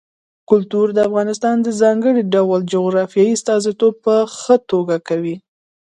کلتور د افغانستان د ځانګړي ډول جغرافیې استازیتوب په ښه توګه کوي.